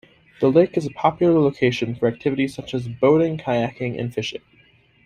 The lake is a popular location for activities such as boating kayaking and fishing.